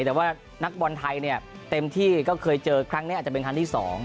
แต่ว่านักบอลไทยเนี่ยเต็มที่ก็เคยเจอครั้งนี้อาจจะเป็นครั้งที่๒